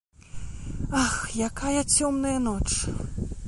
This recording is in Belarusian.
Ах, якая цёмная ноч.